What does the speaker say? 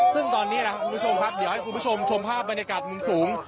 ซึ่งตอนนี้นะครับคุณผู้ชมครับเดี๋ยวให้คุณผู้ชมชมภาพบรรยากาศมุมสูง